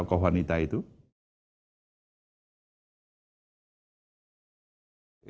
apa konsekuensi sebagai public figures